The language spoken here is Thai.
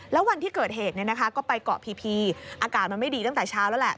แล้ววันที่เกิดเหตุก็ไปเกาะพีอากาศมันไม่ดีตั้งแต่เช้าแล้วแหละ